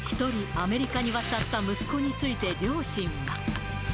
アメリカに渡った息子について、両親は。